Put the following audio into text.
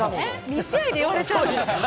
２試合で言われちゃうの？